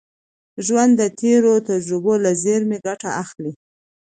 ژوند د تېرو تجربو له زېرمي ګټه اخلي.